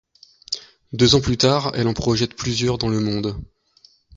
Deux ans plus tard, elle en projette plusieurs dans le monde.